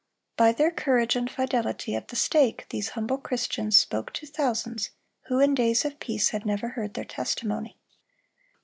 By their courage and fidelity at the stake, these humble Christians spoke to thousands who in days of peace had never heard their testimony.